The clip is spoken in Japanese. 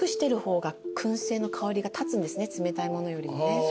冷たいものよりもね。